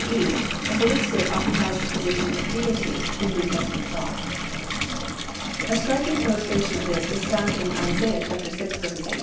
e., the Holy Spirit occupies the position of Deity in New Testament thought._ A striking illustration of this is found in Isa. vi.